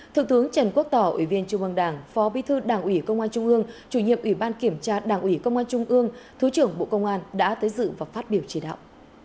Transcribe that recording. thượng tướng trần quốc tỏ ủy viên trung ương đảng phó bí thư đảng ủy công an trung ương chủ nhiệm ủy ban kiểm tra đảng ủy công an trung ương thứ trưởng bộ công an đã tới dự và phát biểu chỉ đạo